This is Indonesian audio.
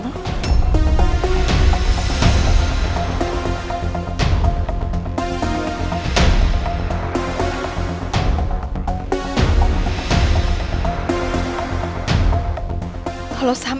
jangan maju lupakan kita